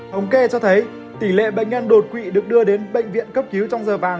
thống kê cho thấy tỷ lệ bệnh nhân đột quỵ được đưa đến bệnh viện cấp cứu trong giờ vàng